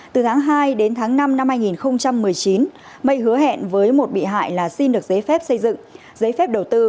từ tháng hai đến tháng năm năm hai nghìn một mươi chín mây hứa hẹn với một bị hại là xin được giấy phép xây dựng giấy phép đầu tư